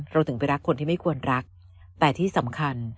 ถึงไปรักคนที่ไม่ควรรักแต่ที่สำคัญ